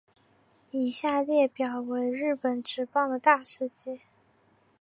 以下列表为日本职棒的大事纪。